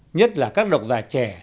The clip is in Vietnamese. nhất là các độc giả trẻ